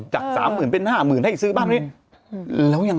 จาก๓๐๐๐๐เป็น๕๐๐๐๐ให้ซื้อบ้าน